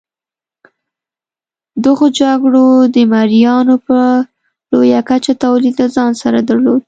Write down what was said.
دغو جګړو د مریانو په لویه کچه تولید له ځان سره درلود.